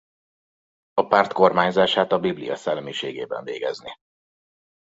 A párt kormányzását a Biblia szellemiségében végezné.